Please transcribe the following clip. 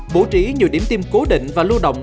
bố trí nhiều điểm tiêm cố định và lưu động